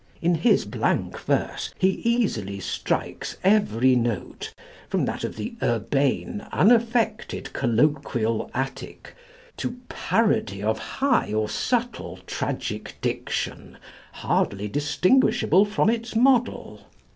In his blank verse he easily strikes every note, from that of the urbane, unaffected, colloquial Attic, to parody of high or subtle tragic diction hardly distinguishable from its model.